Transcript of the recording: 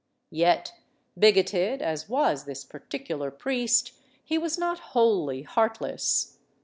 Yet, bigoted as was this particular priest, he was not wholly heartless.